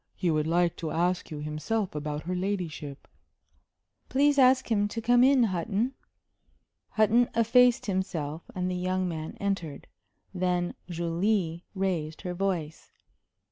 He would like to ask you himself about her ladyship." "Please ask him to come in, Hutton." Hutton effaced himself, and the young man entered, Then Julie raised her voice.